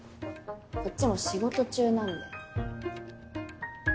こっちも仕事中なんで。